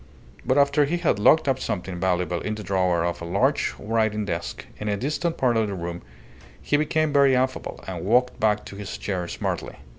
But after he had locked up something valuable in the drawer of a large writing desk in a distant part of the room, he became very affable, and walked back to his chair smartly.